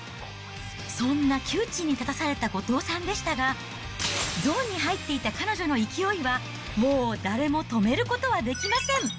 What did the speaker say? そんな窮地に立たされた後藤さんでしたが、ゾーンに入っていた彼女の勢いは、もうだれも止めることはできません。